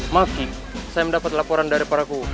maki saya mendapat laporan daripada aku